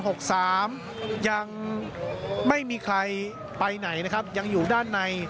ยังไม่มีใครไปไหนนะครับยังอยู่ด้านใน